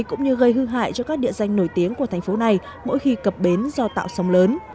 cũng như gây hư hại cho các địa danh nổi tiếng của thành phố này mỗi khi cập bến do tạo sóng lớn